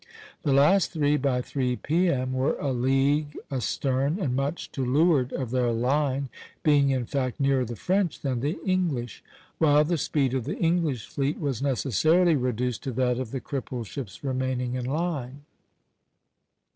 The last three, by three P.M., were a league astern and much to leeward of their line, being in fact nearer the French than the English; while the speed of the English fleet was necessarily reduced to that of the crippled ships remaining in line.